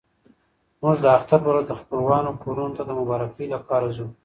موږ د اختر په ورځ د خپلوانو کورونو ته د مبارکۍ لپاره ځو.